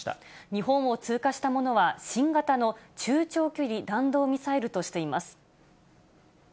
日本を通過したものは、新型の中長距離弾道ミサイルとしています。